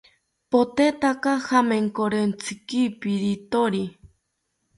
Potetaka jamenkorentziki pirithori